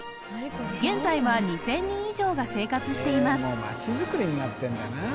現在は２０００人以上が生活しています